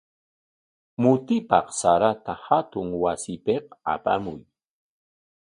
Mutipaq sarata hatun wasipik apamuy.